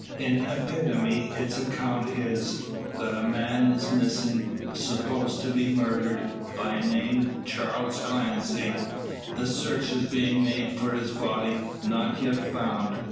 In epitome its account is: that a man is missing, supposed to be murdered; by name, Charles Clancy. That search is being made for his body, not yet found.